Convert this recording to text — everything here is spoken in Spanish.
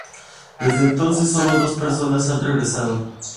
Desde entonces sólo dos personas han regresado.